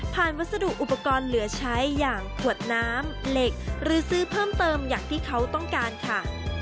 วัสดุอุปกรณ์เหลือใช้อย่างขวดน้ำเหล็กหรือซื้อเพิ่มเติมอย่างที่เขาต้องการค่ะ